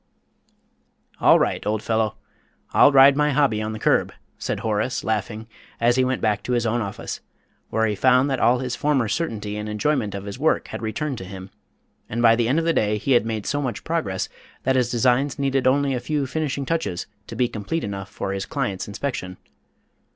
"All right, old fellow. I'll ride my hobby on the curb," said Horace, laughing, as he went back to his own office, where he found that all his former certainty and enjoyment of his work had returned to him, and by the end of the day he had made so much progress that his designs needed only a few finishing touches to be complete enough for his client's inspection.